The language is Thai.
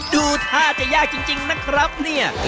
ถึงว่าล่ะครับทำไมถึงกลายเป็นเมนูปราบเซียนของพี่ตา